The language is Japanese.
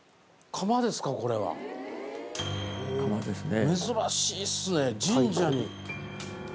釜ですね。